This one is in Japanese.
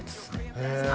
へえ